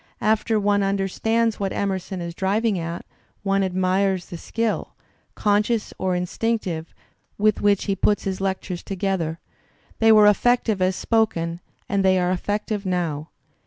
After one understands what Emerson is driving at, one admires the skill; conscious or instinctive, with which he put his lectures together; they were effective as spoken, and they are effective now.